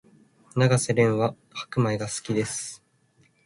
永瀬廉は白米が好きです